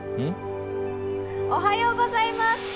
おはようございます。